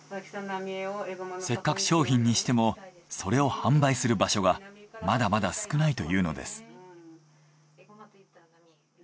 せっかく商品にしてもそれを販売する場所がまだまだ少ないというのです。